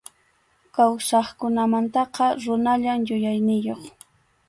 Kawsaqkunamantaqa runallam yuyayniyuq.